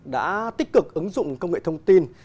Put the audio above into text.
đã tích cực ứng dụng công nghệ thông tin